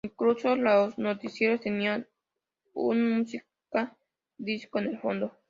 Incluso los noticieros tenían un música disco en el fondo.